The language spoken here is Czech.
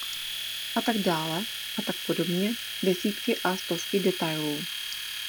A tak dále, a tak podobně, desítky a stovky detailů...